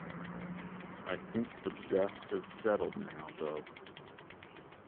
I think the dust has settled now, though.